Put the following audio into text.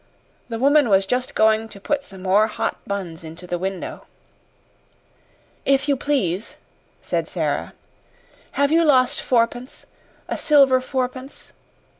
The woman was just going to put some more hot buns into the window. "If you please," said Sara, "have you lost fourpence a silver fourpence?"